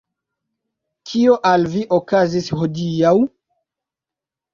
Kio al vi okazis hodiaŭ?